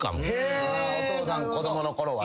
「お父さん子供のころは」